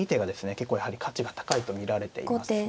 結構やはり価値が高いと見られていますね。